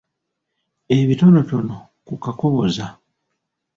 Ebitonotono ku Kakoboza.